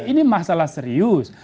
ini masalah serius